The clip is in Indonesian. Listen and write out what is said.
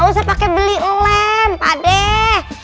gak usah pakai beli lem pak deh